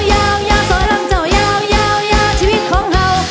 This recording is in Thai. ยาวยาวสร้างเจ้ายาวชีวิตของเรา